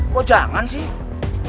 kok jangan sih